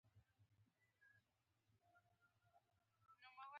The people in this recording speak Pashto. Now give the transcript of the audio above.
که ته ريښتيني يي ولي خاندي